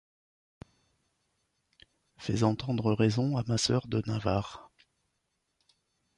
Fais entendre raison à ma sœur de Navarre.